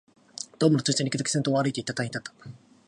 ドームの中心にいくとき、先頭を歩いていた隊員だった